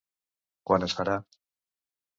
Quan es farà.